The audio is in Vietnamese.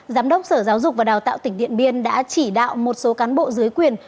giám đốc sở giáo dục và đào tạo tỉnh điện biên đã chỉ đạo một số cán bộ dưới quyền